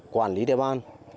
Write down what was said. quản lý địa bàn